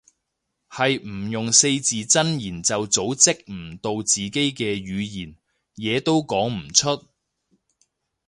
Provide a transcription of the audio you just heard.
係唔用四字真言就組織唔到自己嘅語言，嘢都講唔出